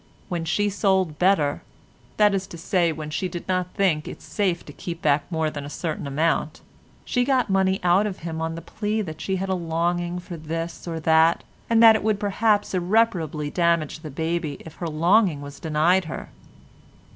When she sold better—that is to say when she did not think it safe to keep back more than a certain amount, she got money out of him on the plea that she had a longing for this or that, and that it would perhaps irreparably damage the baby if her longing was denied her.